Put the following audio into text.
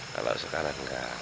kalau sekarang enggak